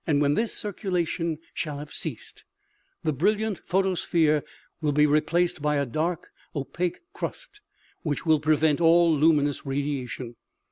When this circulation shall have ceased, the brilliant pho tosphere will be replaced by a dark opaque crust which will prevent all luminous radiation.